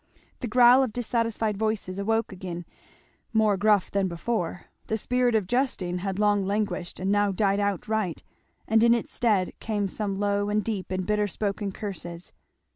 The growl of dissatisfied voices awoke again, more gruff than before; the spirit of jesting had long languished and now died outright, and in its stead came some low and deep and bitter spoken curses.